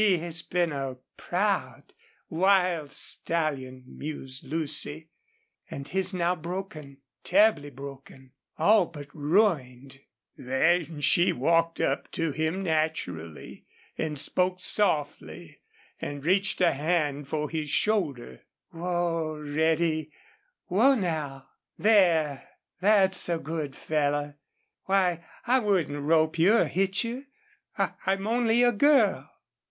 "He has been a proud, wild stallion," mused Lucy. "And he's now broken terribly broken all but ruined." Then she walked up to him naturally and spoke softly, and reached a hand for his shoulder. "Whoa, Reddy. Whoa now.... There. That's a good fellow. Why, I wouldn't rope you or hit you. I'm only a girl."